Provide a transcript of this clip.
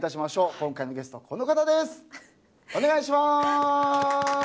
今回のゲスト、この方です。